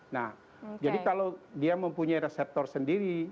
nah jadi kalau dia mempunyai reseptor sendiri